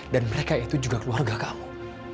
dan mereka itu juga keluarga kamu